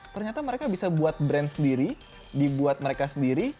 ternyata mereka bisa buat brand sendiri dibuat mereka sendiri